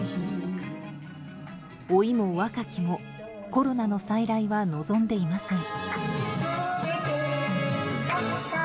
老いも若きもコロナの再来は望んでいません。